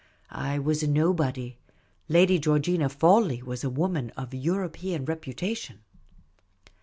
I was a nobody ; Lady Georgina Fawley was a woman of European reputation.